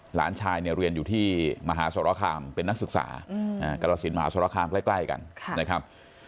หลานชายเนี่ยเรียนอยู่ที่มหาสรคามเป็นนักศึกษากรสินมหาสรคามใกล้กันนะครับ